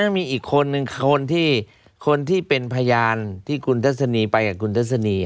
มีอีกคนนึงคนที่คนที่เป็นพยานที่คุณทัศนีไปกับคุณทัศนี